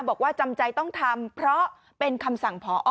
บอกว่าจำใจต้องทำเพราะเป็นคำสั่งพอ